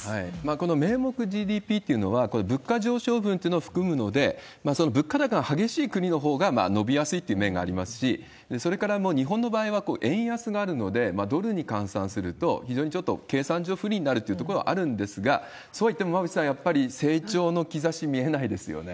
この名目ＧＤＰっていうのは、物価上昇分というのを含むので、その物価高が激しい国のほうが伸びやすいという面がありますし、それから日本の場合は円安があるので、ドルに換算すると、非常にちょっと計算上、不利になるというところがあるんですが、そうはいっても馬渕さん、やっぱり成長の兆し見えないですよね。